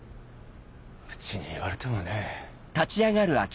うちに言われてもね。